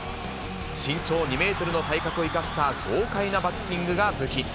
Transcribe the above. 身長２メートルの体格を生かした豪快なバッティングが武器。